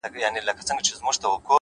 هره ناکامي د بیا هڅې پیغام دی؛